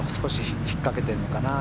引っかけてるのかな。